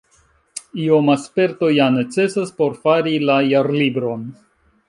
Ioma sperto ja necesas por fari la Jarlibron.